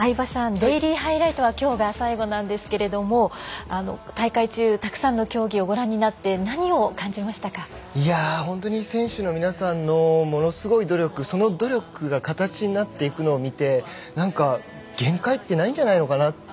デイリーハイライトはきょうが最後なんですけれども大会中たくさんの競技をご覧になっていやあ、本当に選手の皆さんのものすごい努力その努力が形になっていくのを見てなんか、限界ってないんじゃないのかなって。